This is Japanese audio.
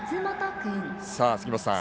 杉本さん